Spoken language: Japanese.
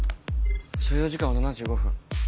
所要時間は７５分。